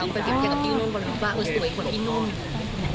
เปรียบเทียบกับพี่นุ่นก็รู้สึกว่าสวยคนพี่นุ่น